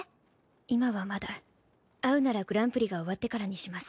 今はまだ会うならグランプリが終わってからにします。